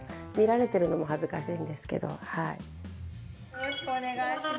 よろしくお願いします。